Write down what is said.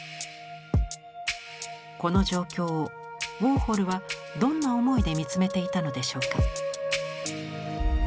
この状況をウォーホルはどんな思いで見つめていたのでしょうか？